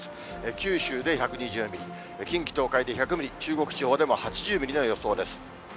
九州で１２０ミリ、近畿、東海で１００ミリ、中国地方でも８０ミリの予想です。